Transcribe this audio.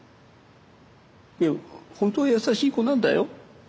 いや本当は優しい子なんだよ。